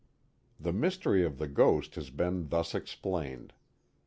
The mystery of the ghost has been thus explained.